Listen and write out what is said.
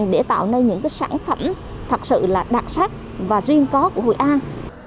để tạo nên những sản phẩm thật sự là đặc sắc và riêng có của hội an